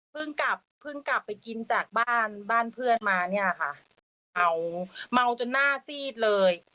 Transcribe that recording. เพิ่งกลับไปกินจากบ้านเพื่อนมาเนี่ยค่ะเมาจนหน้าซีดเลย